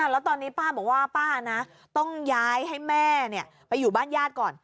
แล้วตอนนี้ป้าบอกว่าป้านะต้องย้ายให้แม่ไปอยู่บ้านญาติก่อน